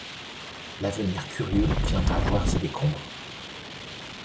L'avenir curieux viendra voir ces décombres